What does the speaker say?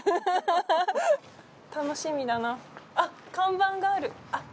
楽しみだなあっ看板がある。